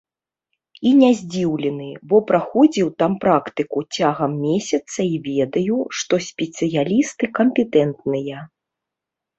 І не здзіўлены, бо праходзіў там практыку цягам месяца і ведаю, што спецыялісты кампетэнтныя.